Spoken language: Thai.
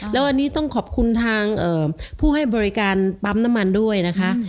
แล้ววันนี้ต้องขอบคุณทางผู้ให้บริการปั๊มน้ำมันด้วยนะคะ